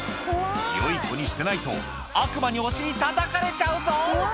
よい子にしてないと悪魔にお尻たたかれちゃうぞ！